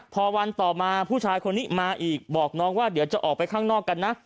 พอวันต่อมาผู้ชายคนนี้มาอีกบอกน้องว่าเดี๋ยวจะออกไปข้างนอกกันนะ